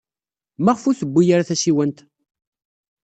Maɣef ur tewwi ara tasiwant?